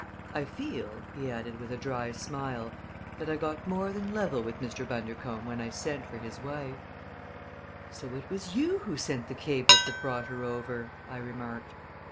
I feel," he added, with a dry smile, "that I got more than level with Mr. Bundercombe when I sent for his wife." "So it was you who sent the cables that brought her over!" I remarked.